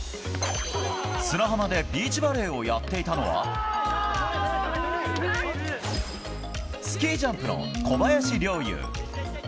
砂浜でビーチバレーをやっていたのは、スキージャンプの小林陵侑。